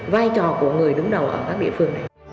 vai trò của người đứng đầu ở đó